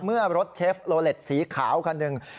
เมื่อรถเชฟโลเล็ตสีขาวคันหนึ่ง